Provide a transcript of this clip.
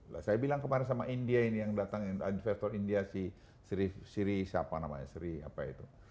saya bilang kemarin sama india ini yang datang investor india si sri siapa namanya sri apa itu